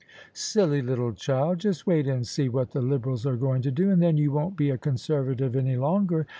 " Silly little child ! Just wait and see what the Liberals are going to do, and then you won't be a Conservative any longer.